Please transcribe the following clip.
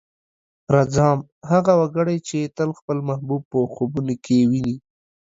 رځام: هغه وګړی چې تل خپل محبوب په خوبونو کې ويني.